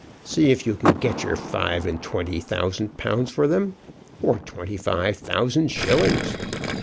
See if you can get your five and twenty thousand pounds for them, or twenty five thousand shillings.